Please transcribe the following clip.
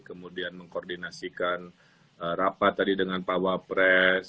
kemudian mengkoordinasikan rapat tadi dengan power press